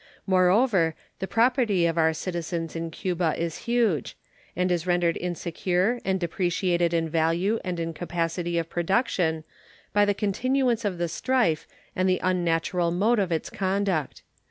Moreover, the property of our citizens in Cuba is large, and is rendered insecure and depreciated in value and in capacity of production by the continuance of the strife and the unnatural mode of its conduct.